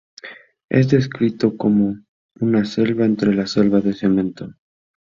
Es descrito como "una selva entre la selva de cemento".